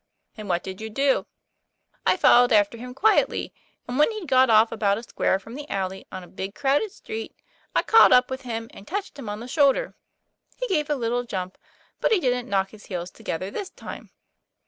" And what did you do ?'" I followed after him quietly; and when he'd got off about a square from the alley on a big crowded street, I caught up with him, and touched him on the shoulder. He gave a little jump, but he didn't knock his heels together this time.